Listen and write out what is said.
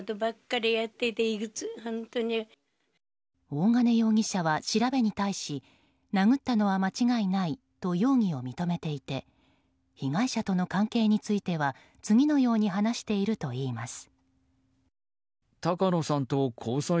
大金容疑者は調べに対し殴ったのは間違いないと容疑を認めていて被害者との関係については次のように話しているといいます。